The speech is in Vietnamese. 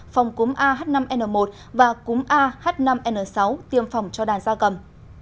phòng cúm ah năm n một và cúm ah năm n sáu tiêm phòng cho đàn da cầm